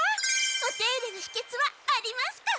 お手入れのひけつはありますか？